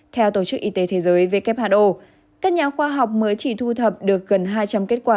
theo tổ chức y tế thế giới who các nhà khoa học mới chỉ thu thập được gần hai trăm linh kết quả